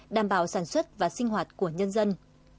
đảm bảo sản xuất và sinh hoạt của nhân dân